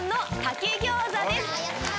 やった！